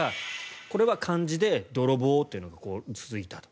これは漢字で泥棒っていうのが続いたと。